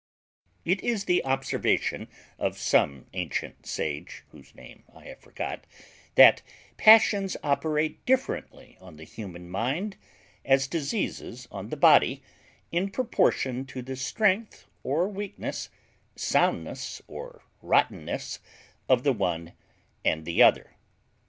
_ It is the observation of some antient sage, whose name I have forgot, that passions operate differently on the human mind, as diseases on the body, in proportion to the strength or weakness, soundness or rottenness, of the one and the other.